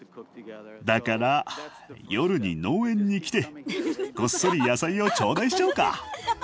だから夜に農園に来てこっそり野菜を頂戴しちゃおうか。